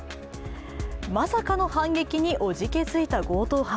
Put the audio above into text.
まさかの反撃におじけづいた強盗犯。